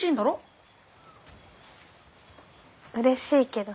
うれしいけど。